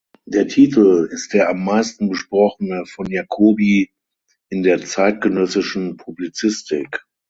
Der Titel ist der am meisten besprochene von Jacoby in der zeitgenössischen Publizistik.